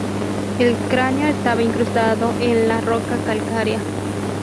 El cráneo estaba incrustado en la roca calcárea.